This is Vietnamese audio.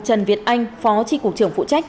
trần việt anh phó tri cục trưởng phụ trách